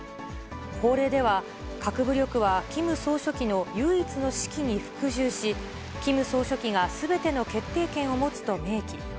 法令では、核武力はキム総書記の唯一の指揮に服従し、キム総書記がすべての決定権を持つと明記。